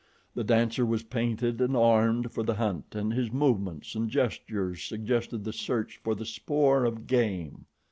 The dancer was painted and armed for the hunt and his movements and gestures suggested the search for the spoor of game.